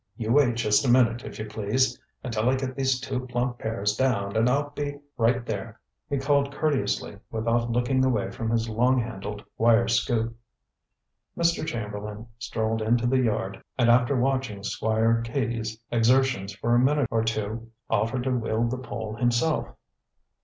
"You wait just a minute, if you please, until I get these two plump pears down, and I'll be right there," he called courteously, without looking away from his long handled wire scoop. Mr. Chamberlain strolled into the yard, and after watching Squire Cady's exertions for a minute or two, offered to wield the pole himself.